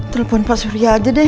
telepon pak surya aja deh